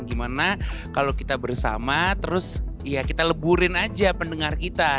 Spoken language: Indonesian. gimana kalau kita bersama terus ya kita leburin aja pendengar kita